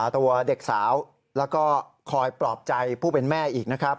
ตัวเด็กสาวแล้วก็คอยปลอบใจผู้เป็นแม่อีกนะครับ